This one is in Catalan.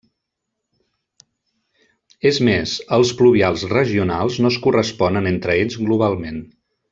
És més, els pluvials regionals no es corresponen entre ells globalment.